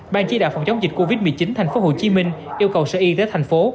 ban chỉ đạo phòng chống dịch covid một mươi chín thành phố hồ chí minh yêu cầu sở y tế thành phố